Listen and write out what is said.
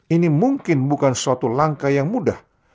ini mungkin bukan suatu langkah yang mudah